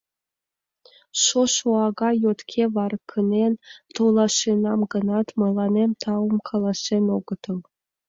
Шошо ага йотке варкынен толашенам гынат, мыланем таум каласен огытыл.